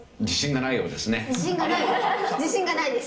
自信がないです。